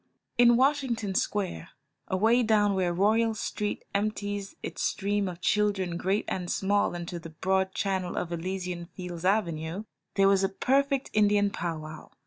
In Washington Square, away down where Royal Street empties its stream of children great and small into the broad channel of Elysian Fields Avenue, there was a perfect Indian pow wow.